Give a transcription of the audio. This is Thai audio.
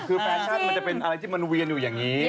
คือแฟชั่นมันจะเป็นอะไรที่มันเวียนอยู่อย่างนี้